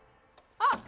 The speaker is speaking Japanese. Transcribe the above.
あっ！